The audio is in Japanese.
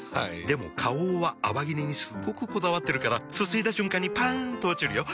でも花王は泡切れにすっごくこだわってるからすすいだ瞬間にパン！と落ちるよ。